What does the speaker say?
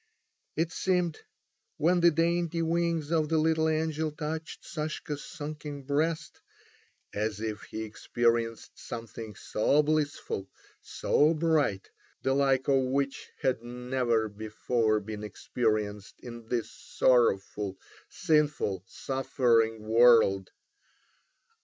It seemed, when the dainty wings of the little angel touched Sashka's sunken breast, as if he experienced something so blissful, so bright, the like of which had never before been experienced in this sorrowful, sinful, suffering world.